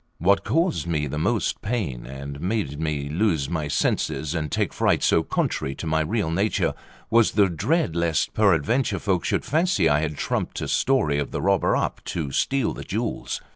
What caused me the most pain, and made me lose my senses, and take fright so contrary to my real nature was the dread lest peradventure folk should fancy I had trumped a story of the robber up to steal the jewels.